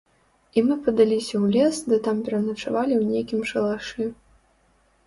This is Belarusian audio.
І мы падаліся ў лес ды там пераначавалі ў нейкім шалашы.